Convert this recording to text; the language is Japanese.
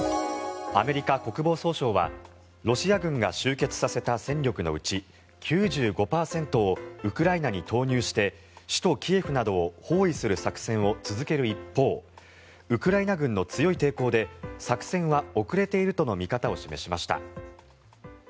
アメリカ国防総省はロシア軍が集結させた戦力のうち９５％をウクライナに投入して首都キエフなどを包囲する作戦を続ける一方ウクライナ軍の強い抵抗で作戦は遅れているとの見方を示しました。